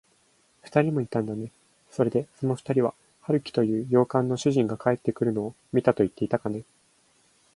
ふたりもいたんだね。それで、そのふたりは、春木という洋館の主人が帰ってくるのを見たといっていたかね。